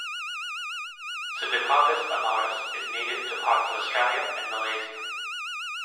"Sundacarpus amarus" is native to parts of Australia and Malesia.